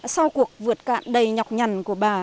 sau cuộc vượt cạn đầy nhọc nhằn của bà